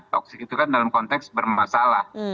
toksik itu kan dalam konteks bermasalah